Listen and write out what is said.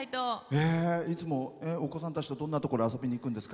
いつもお子さんたちとどんなところに遊びに行くんですか？